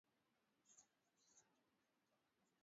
Kula na kupuliza sa panya